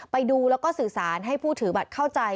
ไปดูแล้วก็สื่อสารให้ผู้ถือบัตรเข้าใจ